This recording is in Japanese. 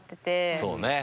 そうね。